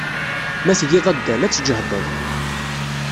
Ma tgiḍ addal, ad tjehdeḍ.